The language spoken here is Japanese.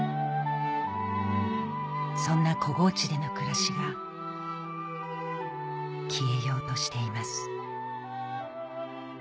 そんな小河内での暮らしが消えようとしています